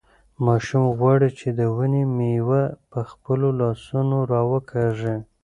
ماشوم غواړي چې د ونې مېوه په خپلو لاسونو راوکاږي.